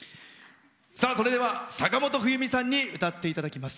それでは、坂本冬美さんに歌っていただきます。